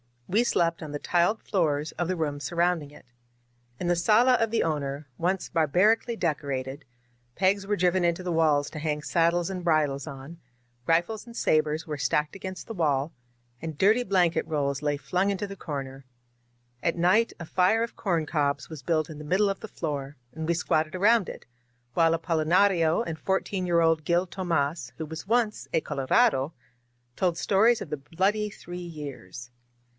We slept on the tiled floors of the rooms sur rounding it. In the sola of the owner, once barbari 64 THE FIVE MUSKETEERS cally decorated, pegs were driven into the walls to hang saddles and bridles on, rifles and sabers were stacked against the wall, and dirty blanket rolls lay flung into the comer. At night a fire of corn cobs was built in the middle of the floor, and we squatted around it, while Apolinario and fourteen year old Gil Tomas, who was once a Colorado^ told stories of the Bloody Three Years.